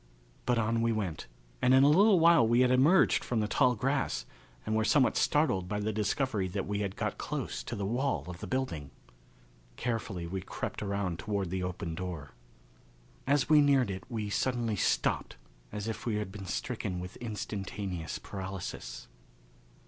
But on we went, and in a little while we had emerged from the tall grass and were somewhat startled by the discovery that we had got close to the wall of the building. Carefully we crept around toward the open door. As we neared it we suddenly stopped as if we had been stricken with instantaneous paralysis.